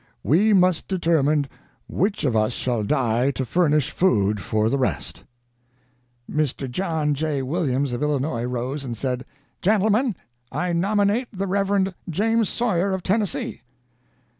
We must determine which of us shall die to furnish food for the rest!' "MR. JOHN J. WILLIAMS of Illinois rose and said: 'Gentlemen I nominate the Rev. James Sawyer of Tennessee.'